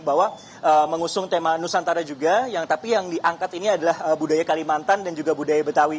bahwa mengusung tema nusantara juga tapi yang diangkat ini adalah budaya kalimantan dan juga budaya betawi